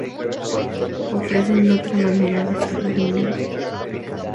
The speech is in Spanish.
Ofrecen otra manera de escribir un libro.